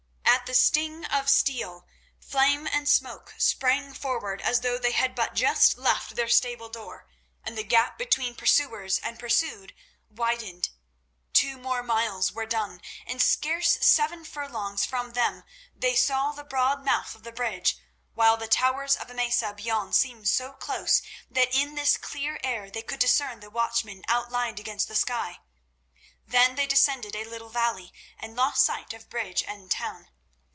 At the sting of the steel Flame and Smoke sprang forward as though they had but just left their stable door, and the gap between pursuers and pursued widened. Two more miles were done, and scarce seven furlongs from them they saw the broad mouth of the bridge, while the towers of Emesa beyond seemed so close that in this clear air they could discern the watchmen outlined against the sky. Then they descended a little valley, and lost sight of bridge and town.